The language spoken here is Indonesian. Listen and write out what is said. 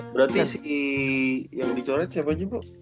berarti si yang dicoret siapa aja bro